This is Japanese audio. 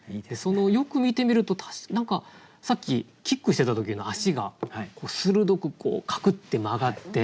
よく見てみると何かさっきキックしてた時の足が鋭くカクッて曲がって。